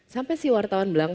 sampai si wartawan bilang